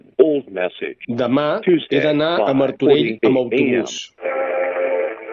demà he d'anar a Martorell amb autobús.